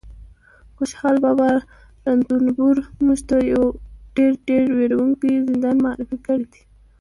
خوشحال بابا رنتنبور موږ ته یو ډېر وېروونکی زندان معرفي کړی دی